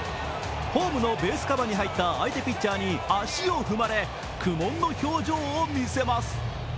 ホームのベースカバーに入った相手ピッチャーに足を踏まれ苦悶の表情を見せます。